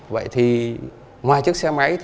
vậy thì ngoài chiếc xe máy